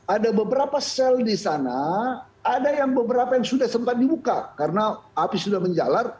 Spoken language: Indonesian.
ada beberapa sel di sana ada yang beberapa yang sudah sempat dibuka karena api sudah menjalar